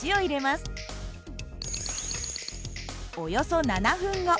およそ７分後。